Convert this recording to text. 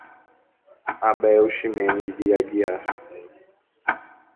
Abel Ximenes de Aguiar